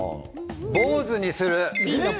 坊主にする。